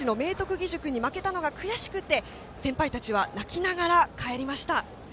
義塾に負けたのが悔しくて先輩たちは泣きながら帰りました。